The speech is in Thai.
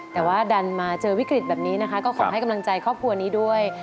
แต่ว่าดันมาเจอวิกฤตแบบนี้นะคะก็ขอให้กำลังใจครอบครัวนี้ด้วย